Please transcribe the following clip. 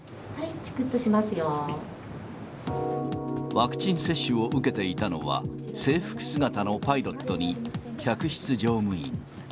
ワクチン接種を受けていたのは、制服姿のパイロットに客室乗務員。